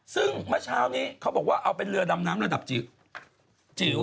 ซึ่งเมื่อเช้านี้เขาบอกว่าเอาเป็นเรือดำน้ำระดับจิ๋วจิ๋ว